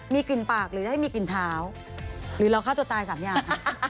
มีกลิ่นปากหรือจะให้มีกลิ่นเท้าหรือเราฆ่าตัวตาย๓อย่าง